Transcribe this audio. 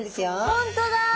本当だ！